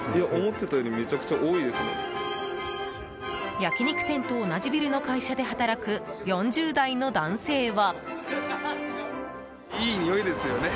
焼き肉店と同じビルの会社で働く４０代の男性は。